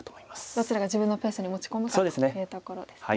どちらが自分のペースに持ち込むかというところですね。